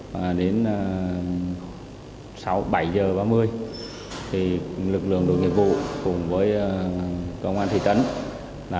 và đến sáu bảy giờ ba mươi lực lượng đồn nhiệm vụ cùng với công an thị trấn